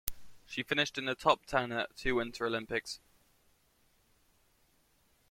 She finished in the top ten at two Winter Olympics.